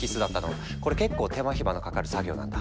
これ結構手間暇のかかる作業なんだ。